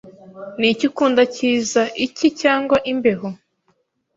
Niki ukunda cyiza, icyi cyangwa imbeho?